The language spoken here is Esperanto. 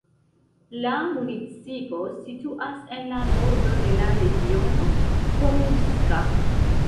La municipo situas en la nordo de la regiono Pomurska.